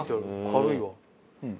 軽いわ。